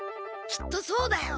きっとそうだよ！